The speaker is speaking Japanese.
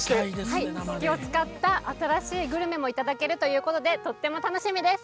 ススキを使った新しいグルメもいただけるということでとっても楽しみです。